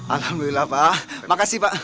alhamdulillah pak makasih pak